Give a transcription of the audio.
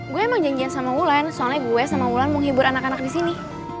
gue emang janjian sama ulan soalnya gue sama ulan mau nghibur anak anak disini